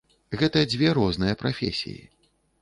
Гэта дзве розныя прафесіі.